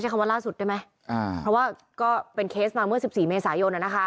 คำว่าล่าสุดได้ไหมเพราะว่าก็เป็นเคสมาเมื่อ๑๔เมษายน